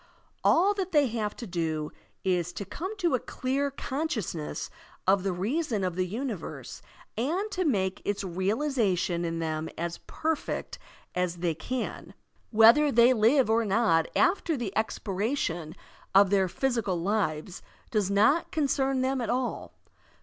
All that they have to do is to come to a clear consciousness of the reason of the universe and to make its realization in them as perfect as they can. Whether they live or not after the expira tion of their physical lives does not concern them at all.